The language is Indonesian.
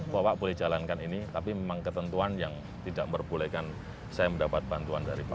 bapak boleh jalankan ini tapi memang ketentuan yang tidak membolehkan saya mendapat bantuan dari bapak